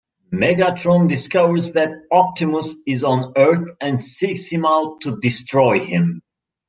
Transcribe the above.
Megatron discovers that Optimus is on Earth and seeks him out to destroy him.